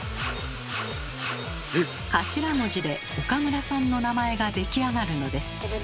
頭文字で岡村さんの名前が出来上がるのです。